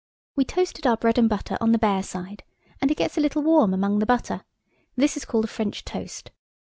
We toasted our bread and butter on the bare side, and it gets a little warm among the butter. This is called French toast.